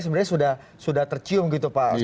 sebenarnya sudah tercium gitu pak